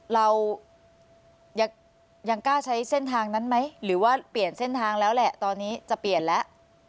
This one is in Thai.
เรายังกล้าใช้เส้นทางนั้นไหมหรือว่าเปลี่ยนเส้นทางแล้วแหละตอนนี้จะเปลี่ยนแล้ว